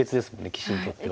棋士にとっては。